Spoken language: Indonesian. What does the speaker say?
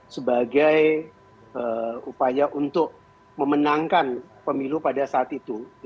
sebagai upaya untuk memenangkan pemilu pada saat itu